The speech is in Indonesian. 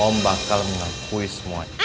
om bakal mengakui semua ini